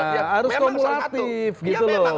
memang salah satu